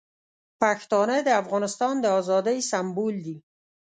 پښتانه د افغانستان د ازادۍ سمبول دي.